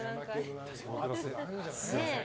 すみません。